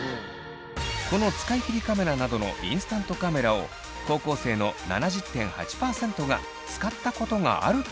この使い切りカメラなどのインスタントカメラを高校生の７０．８％が使ったことがあると答えています。